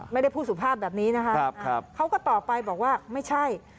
ไม่ได้พูดสุภาพแบบนี้นะคะเขาก็ตอบไปบอกว่าไม่ใช่